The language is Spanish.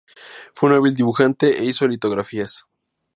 Fue un hábil dibujante e hizo litografías.